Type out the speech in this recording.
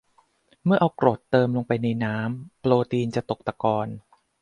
เมื่อเอากรดเติมลงไปในน้ำโปรตีน จะตกตะกอน